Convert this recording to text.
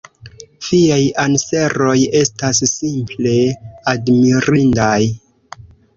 Viaj anseroj estas simple admirindaj.